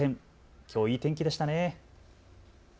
きょう、いい天気でしたね。